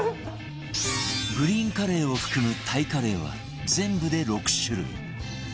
グリーンカレーを含むタイカレーは全部で６種類